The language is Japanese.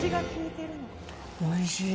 おいしい！